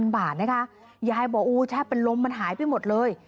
บาทนะคะยายบอกอู้แทบเป็นลมมันหายไปหมดเลย